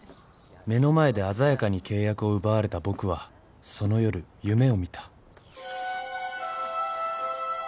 ［目の前で鮮やかに契約を奪われた僕はその夜夢を見た。］